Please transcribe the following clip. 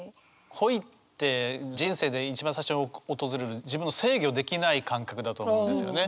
恋って人生で一番最初に訪れる自分を制御できない感覚だと思うんですよね。